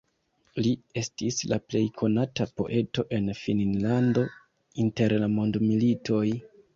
Li estis la plej konata poeto en Finnlando inter la mondmilitoj.